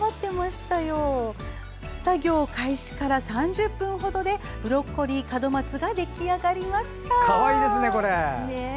作業開始から３０分ほどでブロッコリー門松が出来上がりました。